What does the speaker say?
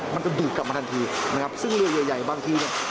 มันจะดูดกลับมาทันทีซึ่งเรือเยอะใหญ่บางที